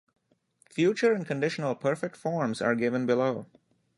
Future and conditional perfect forms are given below.